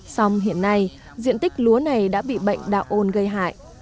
xong hiện nay diện tích lúa này đã bị bệnh đạo ôn gây hại